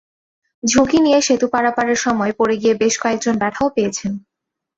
ঝুঁকি নিয়ে সেতু পারাপারের সময় পড়ে গিয়ে বেশ কয়েকজন ব্যথাও পেয়েছেন।